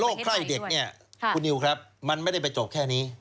ใครเด็กเนี่ยคุณนิวครับมันไม่ได้ไปจบแค่นี้